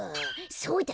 そうだ！